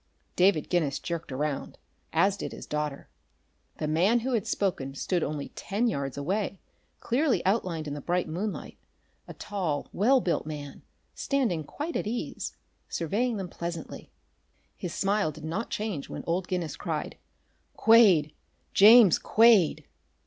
David Guinness jerked around, as did his daughter. The man who had spoken stood only ten yards away, clearly outlined in the bright moonlight a tall, well built man, standing quite at ease, surveying them pleasantly. His smile did not change when old Guinness cried: "Quade! James Quade!"